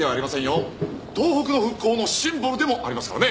東北の復興のシンボルでもありますからね。